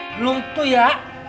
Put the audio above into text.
belum tuh ya